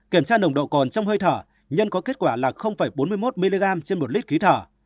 kiểm tra nồng độ cồn trong hơi thở nhân có kết quả là bốn mươi một mg trên một lít khí thở